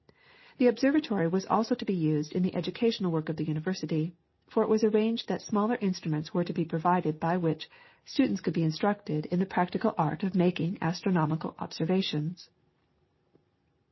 The observatory was also to be used in the educational work of the University, for it was arranged that smaller instruments were to be provided by which students could be instructed in the practical art of making astronomical observations.